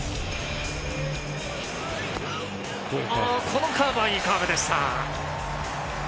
このカーブはいいカーブでした。